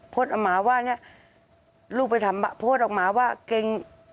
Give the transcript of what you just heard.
โพสต์ออกมาว่านี่ลูกไปทำบัตรโพสต์ออกมาว่าเกร็ง